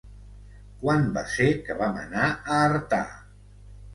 Quan va ser que vam anar a Artà?